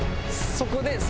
そうです！